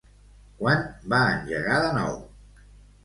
Quan va engegar de nou?